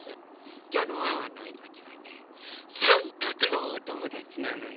きょうのワンワンのおえかきはねさんかくのおともだちなのよ。